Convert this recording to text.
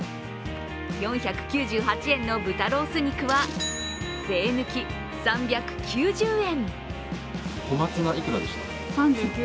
４９８円の豚ロース肉は税抜き３９０円。